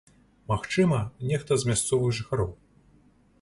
Магчыма, нехта з мясцовых жыхароў.